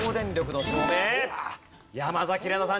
山崎怜奈さん